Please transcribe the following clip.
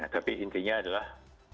tapi intinya adalah